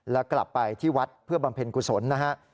แล้วกลับไปที่วัดเพื่อบำเพ็ญกุศลนะฮะ